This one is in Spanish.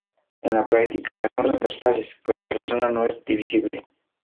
En la práctica, son transversales, pues la persona no es divisible.